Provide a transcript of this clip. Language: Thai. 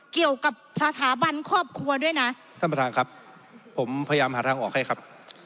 เกี่ยวกับสถาบันครอบครัวด้วยนะท่านประธานครับผมพยายามหาทางออกให้ครับ